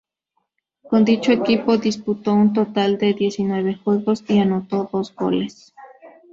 Con dicho equipo disputó un total de diecinueve juegos y anotó dos goles.